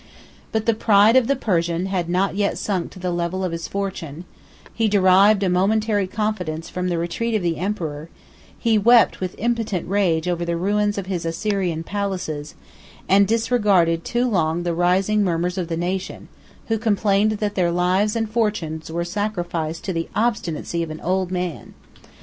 But the pride of the Persian had not yet sunk to the level of his fortune; he derived a momentary confidence from the retreat of the emperor; he wept with impotent rage over the ruins of his Assyrian palaces, and disregarded too long the rising murmurs of the nation, who complained that their lives and fortunes were sacrificed to the obstinacy of an old man.